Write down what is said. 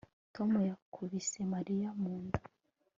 Tom yakubise Mariya mu nda